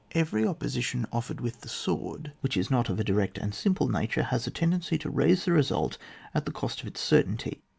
Every opposition offered with the sword which is not of a direct and simple nature, has a tendency to raise the result at the cost of its certainty.